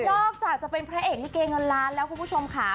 อกจากจะเป็นพระเอกลิเกเงินล้านแล้วคุณผู้ชมค่ะ